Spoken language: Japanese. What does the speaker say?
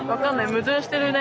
矛盾してるね。